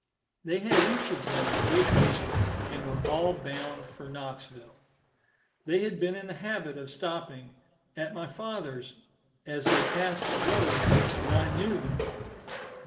They had each of them a good team, and were all bound for Knoxville. They had been in the habit of stopping at my father's as they passed the road, and I knew them.